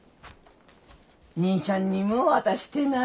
兄ちゃんにも渡してな。